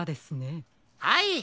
はい。